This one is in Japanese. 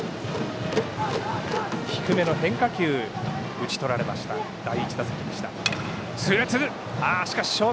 低めの変化球打ち取られました第１打席でした。